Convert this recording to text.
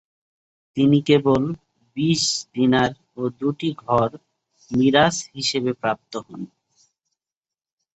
তিনি কেবল বিশ দিনার ও দু’টি ঘর মিরাস হিসেবে প্রাপ্ত হন।